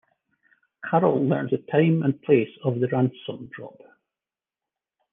Carol learns the time and place of the ransom drop.